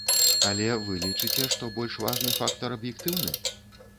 Але вы лічыце, што больш важны фактар аб'ектыўны?